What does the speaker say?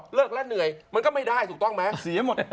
หนิมันจะเลิกแล้วเหนื่อยมันก็ไม่ได้ถูกต้องไหม